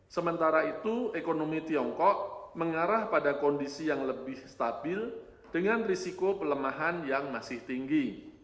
sementara itu ekonomi tiongkok mengarah pada kondisi yang lebih stabil dengan risiko pelemahan yang masih tinggi